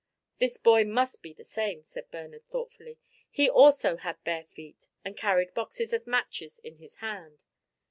"This boy must be the same," said Bernard, thoughtfully. "He also had bare feet and carried boxes of matches in his hand."